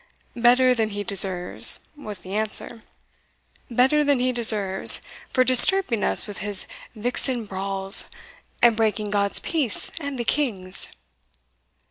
"Better than he deserves," was the answer "better than he deserves, for disturbing us with his vixen brawls, and breaking God's peace and the King's."